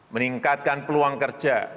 meningkatkan peluang kerja